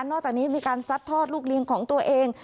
อกจากนี้มีการซัดทอดลูกเลี้ยงของตัวเอง